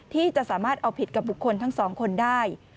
ที่จะสามารถเอาผิดกับบุคคลทั้งสองคนได้